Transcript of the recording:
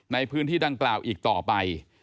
ในพื้นที่ดังกล่าวอีกต่อไป